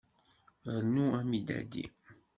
Rnu amidadi.